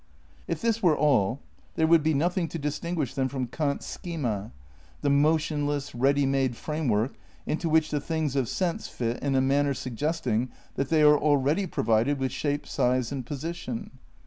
If this were all there would be nothing to distinguish them from Kant's schema, the motionless, ready made framework into which the things of sense fit in a man ner suggesting that they are already provided with shape, size and position.